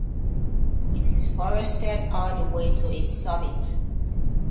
It is forested all the way to its summit.